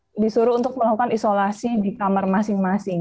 mereka disuruh untuk melakukan isolasi di kamar masing masing